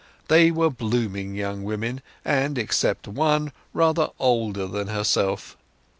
They were blooming young women, and, except one, rather older than herself.